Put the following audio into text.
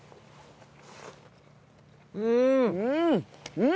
うん！